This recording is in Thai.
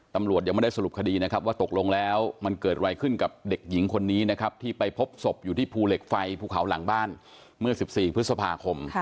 ตำรวจยังไม่ได้สรุปคดีนะครับว่าตกลงแล้วมันเกิดอะไรขึ้นกับเด็กหญิงคนนี้นะครับที่ไปพบศพอยู่ที่ภูเหล็กไฟภูเขาหลังบ้านเมื่อ๑๔พฤษภาคม